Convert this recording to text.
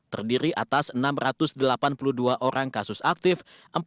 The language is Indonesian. terdiri atas enam ratus delapan puluh dua orang kasus aktif